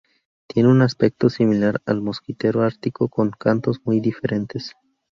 Tiene un aspecto similar al mosquitero ártico, pero con cantos muy diferentes.